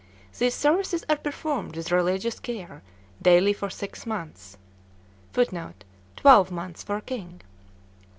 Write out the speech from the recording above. These services are performed with religious care daily for six months; [Footnote: Twelve months for a king.